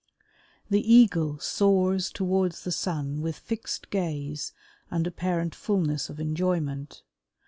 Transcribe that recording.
The Eagle soars towards the sun with fixed gaze and apparent fullness of enjoyment.